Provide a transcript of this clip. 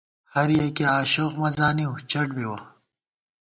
ہریَکِیہ آشوخ مہ زانِؤ ، چٹ بِوَہ